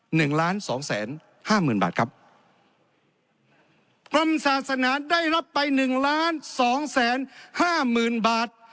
หนึ่งล้านสองแสนห้าหมื่นบาทครับกรมศาสนาได้รับไปหนึ่งล้านสองแสนห้าหมื่นบาท